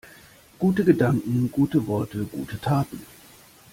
Gute Gedanken, gute Worte, gute Taten.